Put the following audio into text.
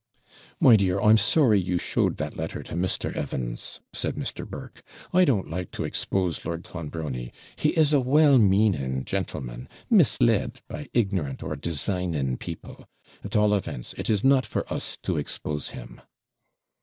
'My dear, I'm sorry you showed that letter to Mr. Evans,' said Mr. Burke; 'I don't like to expose Lord Clonbrony; he is a well meaning gentleman, misled by ignorant or designing people; at all events, it is not for us to expose him.'